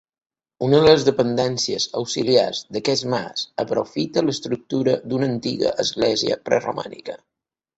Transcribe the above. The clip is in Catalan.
Una de les dependències auxiliars d'aquest mas aprofita l'estructura d'una antiga església preromànica.